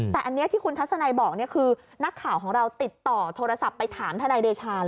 แต่อันนี้ที่คุณทัศนัยบอกคือนักข่าวของเราติดต่อโทรศัพท์ไปถามทนายเดชา